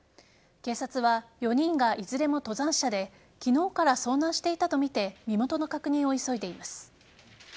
警察は４人がいずれも登山者で昨日から遭難していたとみて身元の確認を急いでいます。